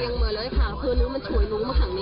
เอียงเหมือนเลยค่ะเพื่อนหนูมันช่วยหนูมาข้างนี้